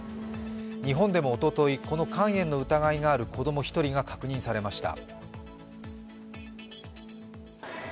日本でもおととい、この肝炎の疑いがある子供１人が確認されました。